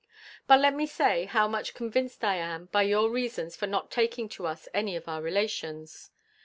But let me say, how much convinced I am by your reasons for not taking to us any of our relations.